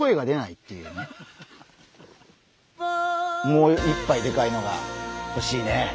もう一ぱいでかいのがほしいね。